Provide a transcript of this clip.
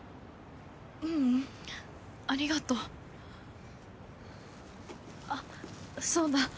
ううんありがとうあっそうだ